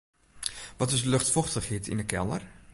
Wat is de luchtfochtichheid yn 'e kelder?